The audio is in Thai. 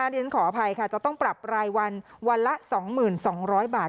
๒๒๐๐๐ต้อนอภัยค่ะแต่ต้องปรับรายวันวันละ๒๒๐๐๐บาท